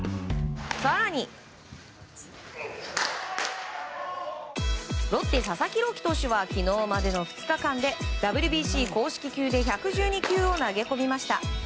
更に、ロッテ佐々木朗希投手は昨日までの２日間でＷＢＣ公式球で１１２球を投げ込みました。